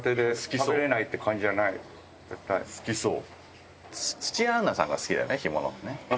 好きそう。